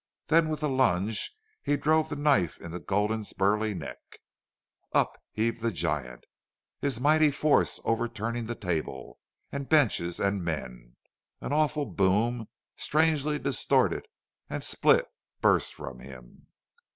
Then with a lunge he drove the knife into Gulden's burly neck. Up heaved the giant, his mighty force overturning table and benches and men. An awful boom, strangely distorted and split, burst from him.